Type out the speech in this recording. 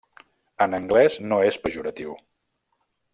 En anglès no és pejoratiu.